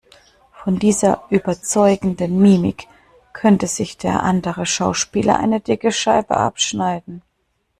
Von dieser überzeugenden Mimik könnte sich der andere Schauspieler eine dicke Scheibe abschneiden.